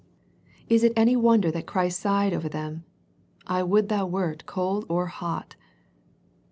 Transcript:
Is it any wonder that Christ sighed over them " I would thou wert cold or hot."